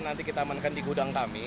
nanti kita amankan di gudang kami